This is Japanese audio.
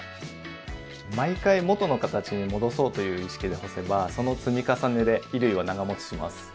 毎回元の形に戻そうという意識で干せばその積み重ねで衣類は長もちします。